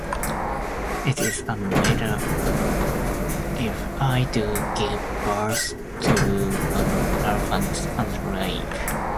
It is no matter if I do give birth to an elephant and live.